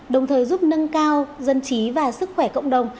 đồng thời giúp nâng cao dân trí và sức khỏe cộng đồng